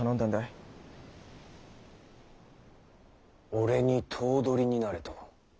俺に頭取になれと？